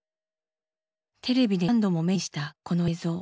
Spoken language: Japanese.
テレビで何度も目にしたこの映像。